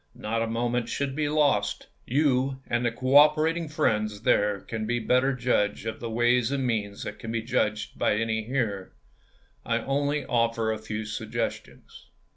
Not a moment should be lost. You and the cooperating friends there can better judge of the ways and means than can be judged by any here. I only offer a few suggestions.